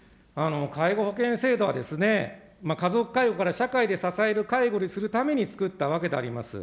介護保険制度はですね、家族介護から社会で支える介護にするために作ったわけであります。